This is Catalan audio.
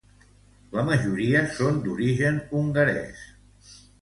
La majoria són d'origen hongarés.